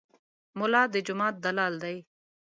ملا د جومات دلال دی.